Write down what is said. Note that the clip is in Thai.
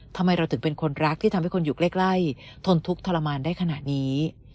ทำไมเราถึงเป็นคนรักที่ทำให้คนอยู่ใกล้ทนทุกข์ทรมานได้ขนาดนี้